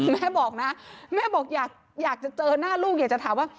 แม่บอกนะแม่บอกอยากจะเจอหน้าลูกอยากจะถามว่า